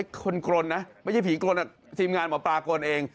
ยังค่อยคนกรนนะไม่ใช่ผีกรนนะทีมงานหมอปลากรนเอง